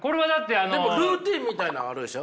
でもルーティーンみたいなんはあるでしょ？